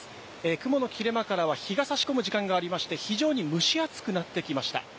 雲の切れ間からは日がさし込む時間がありまして、非常に蒸し暑くなってきました。